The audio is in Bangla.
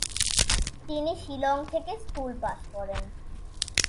তিনি শিলং থেকে স্কুল পাশ করেন।